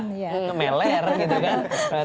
ngemelel gitu kan